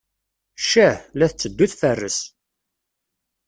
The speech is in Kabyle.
Ccah! la tetteddu tfarres.